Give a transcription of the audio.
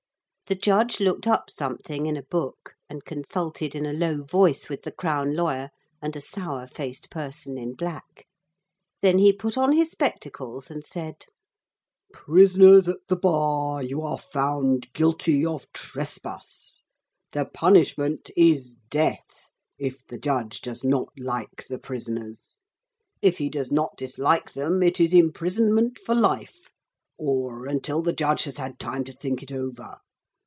The judge looked up something in a book, and consulted in a low voice with the crown lawyer and a sour faced person in black. Then he put on his spectacles and said: 'Prisoners at the bar, you are found guilty of trespass. The punishment is Death if the judge does not like the prisoners. If he does not dislike them it is imprisonment for life, or until the judge has had time to think it over.